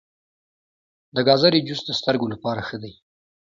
د ګازرې جوس د سترګو لپاره ښه دی.